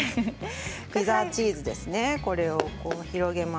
ピザチーズですね。